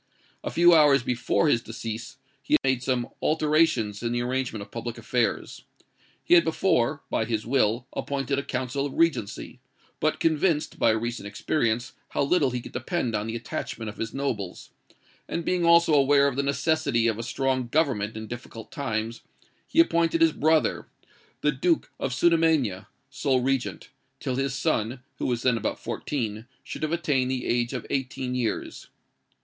A few hours before his decease, he made some alterations in the arrangement of public affairs. He had before, by his will, appointed a council of regency, but convinced, by recent experience, how little he could depend on the attachment of his nobles, and being also aware of the necessity of a strong government in difficult times, he appointed his brother, the Duke of Sudermania, sole regent, till his son, who was then about fourteen, should have attained the age of eighteen years.